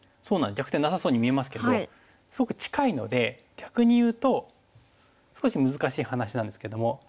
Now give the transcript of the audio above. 弱点なさそうに見えますけどすごく近いので逆に言うと少し難しい話なんですけども。